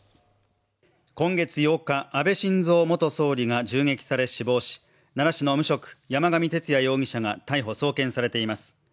今月８日、安倍晋三元総理が銃撃され死亡し奈良市の無職山上徹也容疑者が逮捕・送検されています。